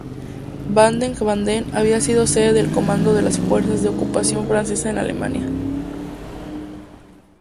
Baden-Baden había sido sede del comando de las fuerzas de ocupación francesas en Alemania.